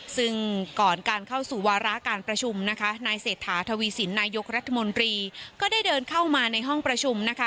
ซึ่งก่อนการเข้าสู่วาระการประชุมคศทวีสินนายกรรมรีก็ได้เดินเข้ามาในห้องประชุม